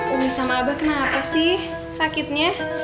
umi sama abah kenapa sih sakitnya